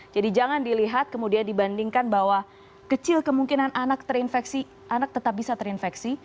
jadi jangan dilihat kemudian dibandingkan bahwa kecil kemungkinan anak terinfeksi anak tetap bisa terinfeksi